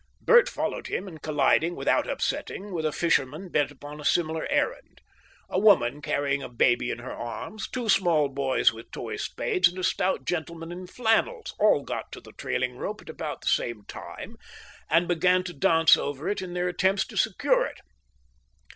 Bert followed him, and collided, without upsetting, with a fisherman bent upon a similar errand. A woman carrying a baby in her arms, two small boys with toy spades, and a stout gentleman in flannels all got to the trailing rope at about the same time, and began to dance over it in their attempts to secure it.